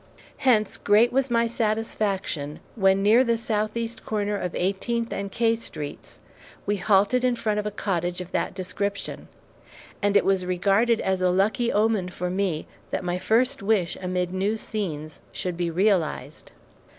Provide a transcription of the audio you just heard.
Hence, great was my satisfaction when near the southeast corner of Eighteenth and K streets, we halted in front of a cottage of that description; and it was regarded as a lucky omen for me, that my first wish amid new scenes should be realized.